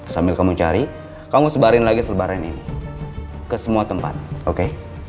sambil kamu cari kamu sebarin lagi selebaran ini ke semua tempat oke